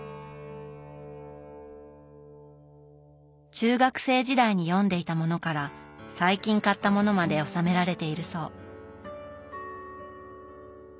中学生時代に読んでいたものから最近買ったものまで収められているそう。